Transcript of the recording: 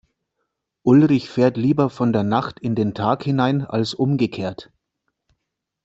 Ulrich fährt lieber von der Nacht in den Tag hinein als umgekehrt.